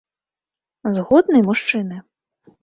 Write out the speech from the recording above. Згодны, мужчыны?..